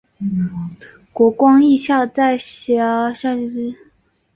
国光艺校在学期间曾加入云门舞集为实习团员。